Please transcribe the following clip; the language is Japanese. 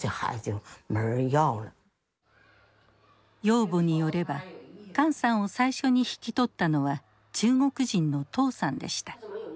養母によれば管さんを最初に引き取ったのは中国人の唐さんでした。